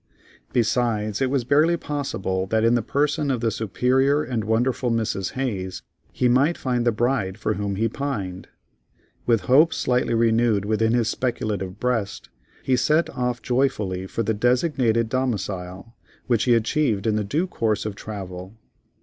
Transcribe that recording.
Besides, it was barely possible that in the person of the superior and wonderful Mrs. Hayes, he might find the bride for whom he pined. With hope slightly renewed within his speculative breast, he set off joyfully for the designated domicile, which he achieved in the due course of travel.